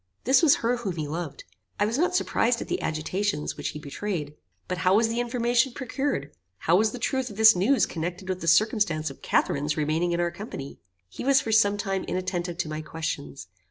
This was her whom he loved. I was not surprised at the agitations which he betrayed. "But how was the information procured? How was the truth of this news connected with the circumstance of Catharine's remaining in our company?" He was for some time inattentive to my questions.